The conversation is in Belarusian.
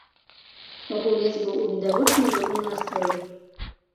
Гулец быў у відавочна добрым настроі.